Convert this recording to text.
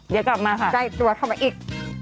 เดี๋ยวกลับมาใกล้ตัวเข้ามาอีก